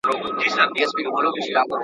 له نړیوالو تجربو څخه باید ګټه واخلو.